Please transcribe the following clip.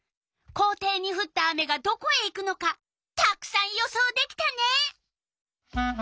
校庭にふった雨がどこへ行くのかたくさん予想できたね！